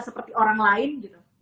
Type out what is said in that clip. seperti orang lain gitu